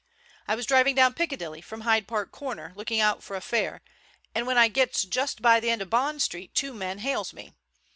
"I was driving down Piccadilly from Hyde Park Corner looking out for a fare, and when I gets just by the end of Bond Street two men hails me.